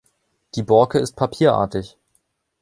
Die Borke ist papierartig.